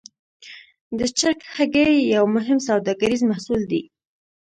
د چرګ هګۍ یو مهم سوداګریز محصول دی.